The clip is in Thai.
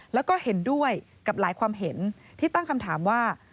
แล้วก็เห็นด้วยกับหลายความเห็นที่ตั้งคำถามว่า